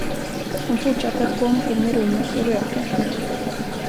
Hon fortsatte att gå omkring i rummet och röka.